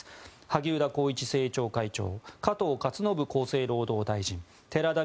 萩生田光一政調会長加藤勝信厚生労働大臣寺田稔